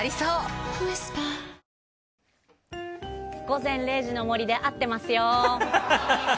「午前０時の森」で合ってますよ！